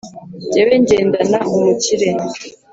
jyewe ngendana umukire